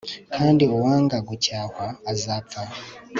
kandi uwanga gucyahwa azapfa